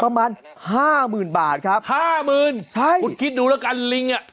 ประมาณห้าหมื่นบาทครับห้าหมื่นใช่คุณคิดดูแล้วกันลิงอ่ะ